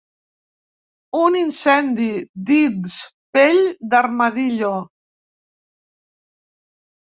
«Un incendi» dins Pell d'armadillo.